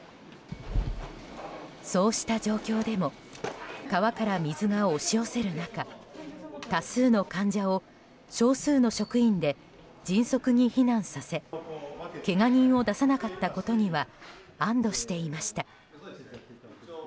そうした状況でも川から水が押し寄せる中多数の患者を少数の職員で迅速に避難させけが人を出さなかったことには安堵していました。